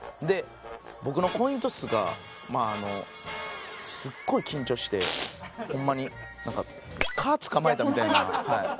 で僕のコイントスがまああのすっごい緊張してホンマになんか蚊捕まえたみたいな。